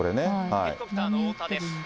ヘリコプターの大田です。